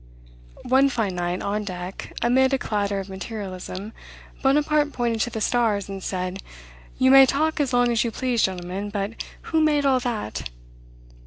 One fine night, on deck, amid a clatter of materialism, Bonaparte pointed to the stars, and said, "You may talk as long as you please, gentlemen, but who made all that?"